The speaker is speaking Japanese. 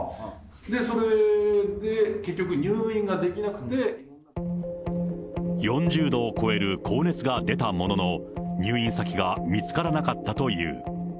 それで結局、４０度を超える高熱が出たものの、入院先が見つからなかったという。